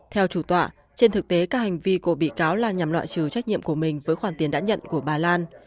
theo chủ tọa trên thực tế các hành vi của bị cáo là nhằm loại trừ trách nhiệm của mình với khoản tiền đã nhận của bà lan